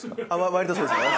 割とそうですね。